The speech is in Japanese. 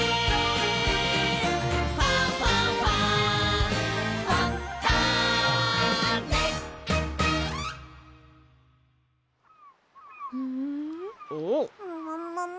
「ファンファンファン」もももも。